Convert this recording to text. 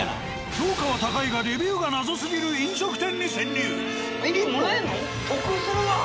評価は高いがレビューが謎すぎる飲食店に潜入！